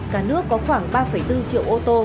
cả nước có khoảng ba bốn triệu ô tô